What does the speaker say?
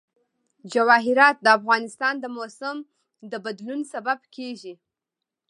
جواهرات د افغانستان د موسم د بدلون سبب کېږي.